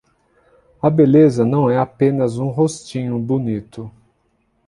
A beleza não é apenas um rostinho bonito.